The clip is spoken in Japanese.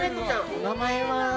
お名前は？